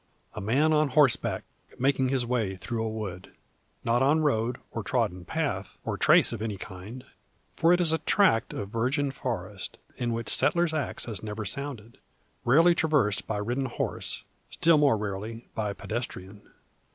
A man on horseback making his way through a wood. Not on road, or trodden path, or trace of any kind. For it is a tract of virgin forest, in which settler's axe has never sounded, rarely traversed by ridden horse; still more rarely by pedestrian.